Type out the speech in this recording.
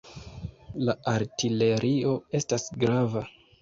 La artilerio estas grava.